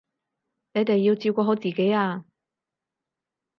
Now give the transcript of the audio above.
你哋要照顧好自己啊